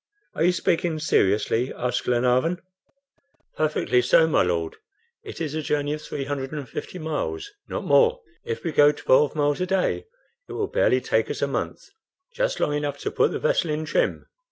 "Are you speaking seriously?" asked Glenarvan. "Perfectly so, my Lord. It is a journey of 350 miles, not more. If we go twelve miles a day it will barely take us a month, just long enough to put the vessel in trim.